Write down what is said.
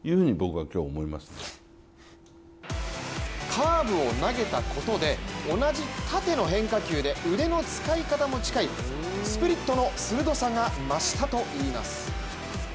カーブを投げたことで同じ縦の変化球で腕の使い方も近いスプリットの鋭さが増したといいます。